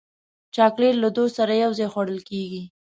چاکلېټ له دوست سره یو ځای خوړل کېږي.